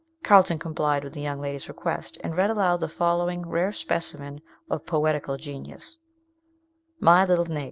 Carlton complied with the young lady's request, and read aloud the following rare specimen of poetical genius: "MY LITTLE NIG.